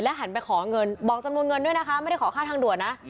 หันไปขอเงินบอกจำนวนเงินด้วยนะคะไม่ได้ขอค่าทางด่วนนะ